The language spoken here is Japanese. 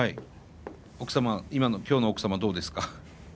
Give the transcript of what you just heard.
奥様今日の奥様はどうですか？